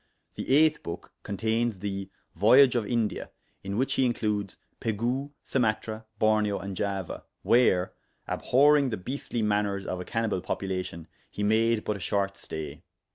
The 8th book contains the voyage of India, in which he includes Pegu, Sumatra, Borneo, and Java, where, abhorryng the beastly maners of a cannibal population, he made but a short stay.